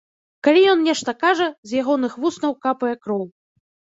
Калі ён нешта кажа, з ягоных вуснаў капае кроў.